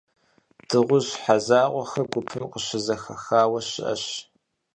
Дыгъужь щхьэ закъуэхэр гупым къыщызэхаху щыӏэщ.